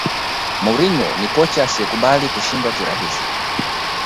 mourinho ni kocha asiyekubali kushindwa kirahisi